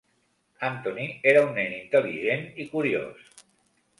Anthony era un nen intel·ligent i curiós.